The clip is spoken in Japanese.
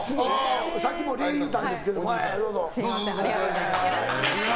さっきもお礼言うたんですけど。